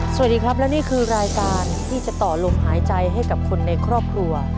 สวัสดีครับและนี่คือรายการที่จะต่อลมหายใจให้กับคนในครอบครัว